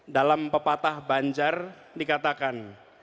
dalam pepatah banjar dikatakan